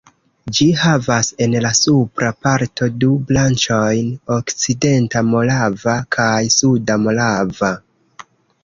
Ĝi havas en la supra parto du branĉojn, Okcidenta Morava kaj Suda Morava.